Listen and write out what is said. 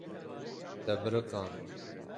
Te biriqand.